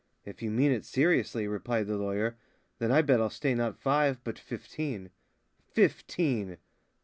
"If you mean it seriously," replied the lawyer, "then I bet I'll stay not five but fifteen." "Fifteen!